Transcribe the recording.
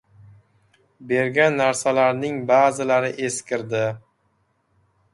Bergan narsalarning ba’zilari eskirdi.